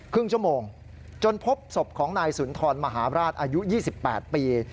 ครึ่งชั่วโมงจนพบศพของนายสุนทรมหาราชอายุ๒๘ปี